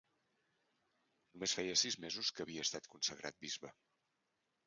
Només feia sis mesos que havia estat consagrat bisbe.